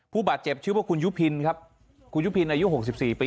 ผู้บาดเจ็บชื่อว่าคุณยุพินครับคุณยุพินอายุ๖๔ปี